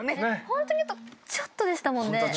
ホントにあとちょっとでしたもんね。